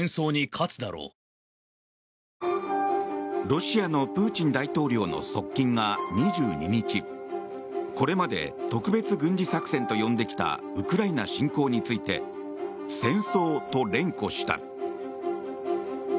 ロシアのプーチン大統領の側近が２２日これまで特別軍事作戦と呼んできたウクライナ侵攻について戦争と連呼した。